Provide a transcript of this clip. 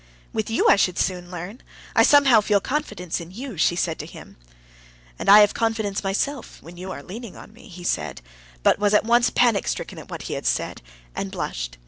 "With you I should soon learn; I somehow feel confidence in you," she said to him. "And I have confidence in myself when you are leaning on me," he said, but was at once panic stricken at what he had said, and blushed.